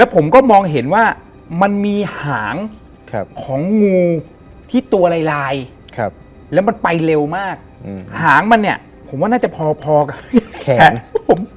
ไปแล้วมันไปเร็วมากหางมันเนี่ยผมว่าน่าจะพอแขนผม